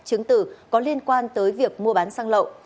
chứng từ có liên quan tới việc mua bán xăng lậu